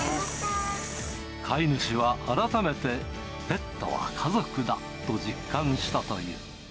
飼い主は改めて、ペットは家族だと実感したという。